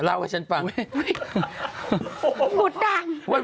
แล้วก่อนฉันไป